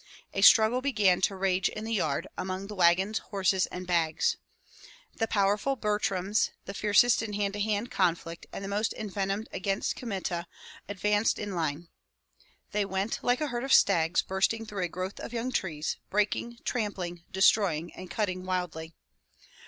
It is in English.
A struggle began to rage in the yard, among the wagons, horses, and bags. The powerful Butryms, the fiercest in hand to hand conflict and the most envenomed against Kmita, advanced in line. They went like a herd of stags bursting through a growth of young trees, breaking, trampling, destroying, and cutting wildly.